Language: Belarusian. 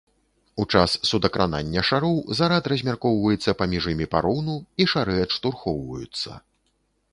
У час судакранання шароў зарад размяркоўваецца паміж імі пароўну, і шары адштурхваюцца.